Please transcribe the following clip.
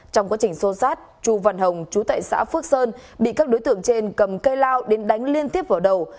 trong quá trình xô sát chu văn hồng chú tại xã phước sơn bị các đối tượng trên cầm cây lao đến đánh liên tiếp vào đầu